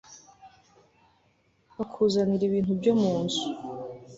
bakuzanira ibintu byo mu nzu